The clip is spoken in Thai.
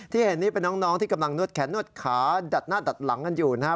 เห็นนี่เป็นน้องที่กำลังนวดแขนนวดขาดัดหน้าดัดหลังกันอยู่นะครับ